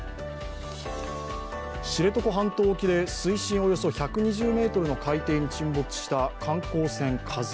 知床半島沖で水深およそ１２０ｍの海底に沈没した観光船「ＫＡＺＵⅠ」。